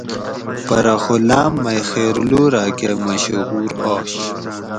پرہ خو لام مئی خیرلو راکہ مشہور آش